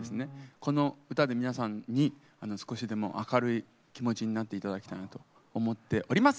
この歌で皆さんに少しでも明るい気持ちになっていただきたいなと思っております！